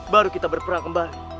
baru kita berperang kembali